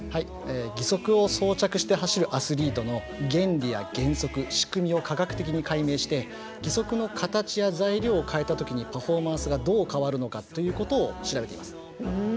義足を装着して走るアスリートの原理、原則を科学的に解明して義足の形や材料を変えたときにパフォーマンスがどう変わるのか調べています。